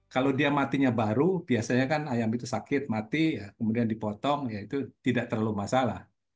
kalau dia matinya baru biasanya kan ayam itu sakit mati kemudian dipotong ya itu tidak terlalu masalah